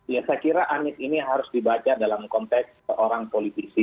ya saya kira anies ini harus dibaca dalam konteks seorang politisi